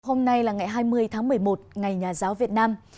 hôm nay là ngày hai mươi tháng một mươi một ngày nhà giáo việt nam